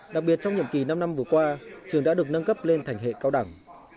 đặc biệt trong nhiệm kỳ năm năm vừa qua trường đã được nâng cấp lên thành hệ cao đẳng